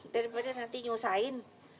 daripada nanti nyusahin